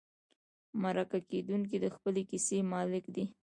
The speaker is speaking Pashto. مرکه کېدونکی د خپلې کیسې مالک دی.